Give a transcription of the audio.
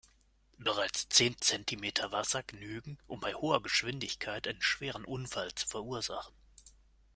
Bereits zehn Zentimeter Wasser genügen, um bei hoher Geschwindigkeit einen schweren Unfall zu verursachen.